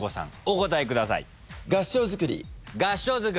お答えください。